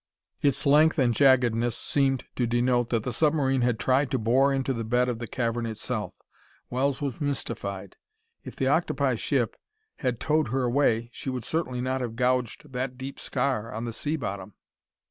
Its length and jaggedness seemed to denote that the submarine had tried to bore into the bed of the cavern itself. Wells was mystified. If the octopi ship had towed her away, she would certainly not have gouged that deep scar on the sea bottom....